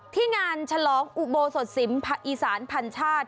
ที่งานฉลองอุโบสถสิมอีสานพันชาติ